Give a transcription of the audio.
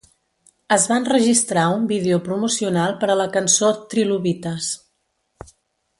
Es va enregistrar un vídeo promocional per a la cançó "Trilobites".